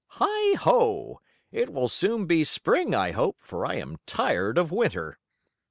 "Heigh ho! It will soon be Spring, I hope, for I am tired of Winter."